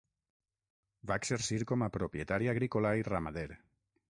Va exercir com a propietari agrícola i ramader.